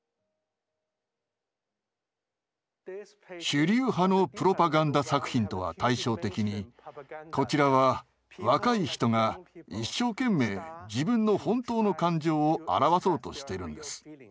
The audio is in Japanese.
主流派のプロパガンダ作品とは対照的にこちらは若い人が一生懸命自分の本当の感情を表そうとしてるんです。